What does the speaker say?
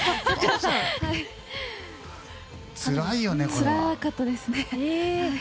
つらかったですね。